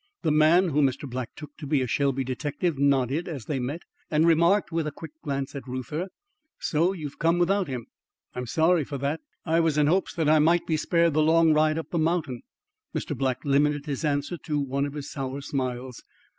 The man whom Mr. Black took to be a Shelby detective nodded as they met and remarked, with a quick glance at Reuther: "So you've come without him! I'm sorry for that. I was in hopes that I might be spared the long ride up the mountain." Mr. Black limited his answer to one of his sour smiles.